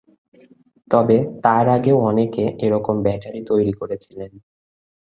তবে তাঁর আগেও অনেকে এরকম ব্যাটারি তৈরি করেছিলেন।